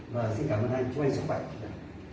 và xin cảm ơn anh chúc anh sức khỏe